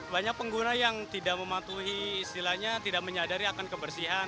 banyak pengguna yang tidak mematuhi istilahnya tidak menyadari akan kebersihan